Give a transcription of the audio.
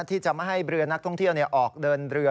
ที่จะไม่ให้เรือนักท่องเที่ยวออกเดินเรือ